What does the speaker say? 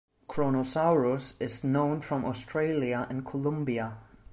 "Kronosaurus" is known from Australia and Colombia.